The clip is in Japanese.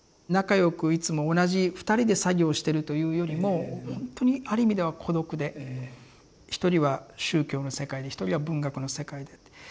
仲よくいつも同じ２人で作業してるというよりも本当にある意味では孤独で一人は宗教の世界で一人は文学の世界でって。